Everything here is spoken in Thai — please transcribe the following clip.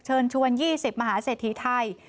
เชิญชวน๒๐มหาเสถีไทย